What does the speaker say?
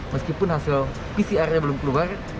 meskipun hasil pcr nya belum keluar